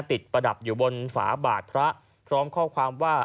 ประดับอยู่บนฝาบาทพระพร้อมข้อความว่า